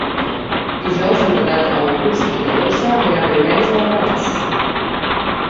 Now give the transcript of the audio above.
Dijous en Renat August i na Dolça aniran a Llorenç del Penedès.